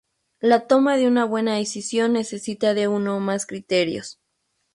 La toma de una buena decisión necesita de uno o más criterios.